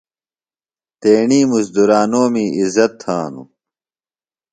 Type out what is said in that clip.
تیݨی مُزدُرانومی عِزت تھانوۡ۔